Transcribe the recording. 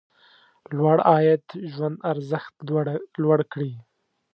لوړ عاید ژوند ارزښت لوړ کړي.